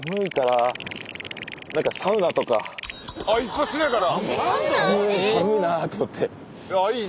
あっ一発目から？